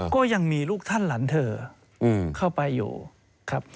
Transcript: ก็ยังมีลูกท่านหลานเธอเข้าไปอยู่ครับ